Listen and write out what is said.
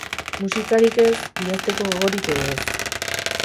Musikarik ez, idazteko gogorik ere ez.